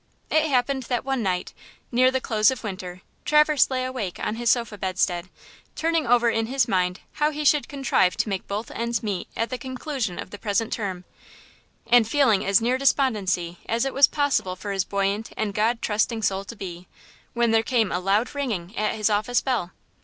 It happened that one night, near the close of winter, Traverse lay awake on his sofa bedstead, turning over in his mind how he should contrive to make both ends meet at the conclusion of the present term and feeling as near despondency as it was possible for his buoyant and God trusting soul to be, when there came a loud ringing at his office bell.